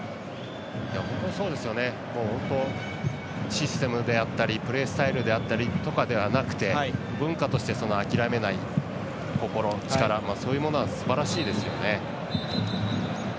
本当、システムであったりプレースタイルであったりとかではなくて文化として諦めない心、力そういうものはすばらしいですよね。